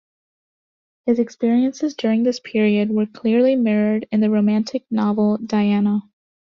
His experiences during this period were clearly mirrored in the romantic novel "Diana".